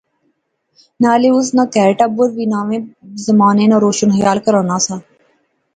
نالے اس ناں کہر ٹبر وی ناوے زمانے ناں روشن خیال کہرانہ سا